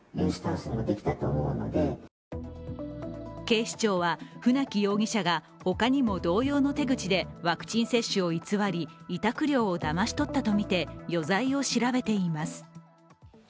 警視庁は、船木容疑者がほかにも同様の手口でワクチン接種を偽り委託料をだまし取ったとみて余罪を調べています。